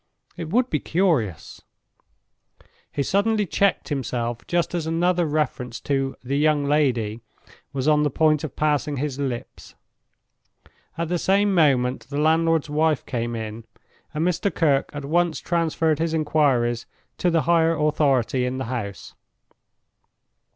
It would be curious—" He suddenly checked himself just as another reference to "the young lady" was on the point of passing his lips. At the same moment the landlord's wife came in, and Mr. Kirke at once transferred his inquiries to the higher authority in the house.